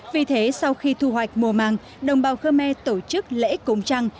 vì thế sau khi thu hoạch mùa màng đồng bào khmer tổ chức lễ cúng trăng